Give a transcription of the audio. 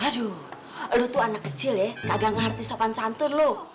aduh lo tuh anak kecil ya kagak ngerti sopan santur lo